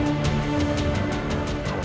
masakan kesukaan aku